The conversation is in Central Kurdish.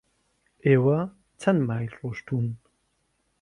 ئێوە چەند مایل ڕۆیشتوون؟